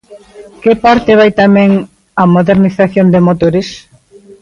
¿Que parte vai tamén á modernización de motores?